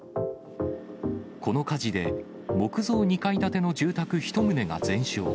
この火事で、木造２階建ての住宅１棟が全焼。